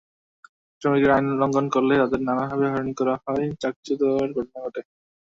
শ্রমিকেরা আইন লঙ্ঘন করলে তাঁদের নানাভাবে হয়রানি করা হয়, চাকরিচ্যুতির ঘটনা ঘটে।